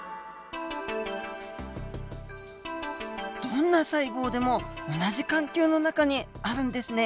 どんな細胞でも同じ環境の中にあるんですね！